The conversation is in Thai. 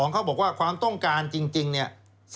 เขาบอกว่าความต้องการจริงเนี่ย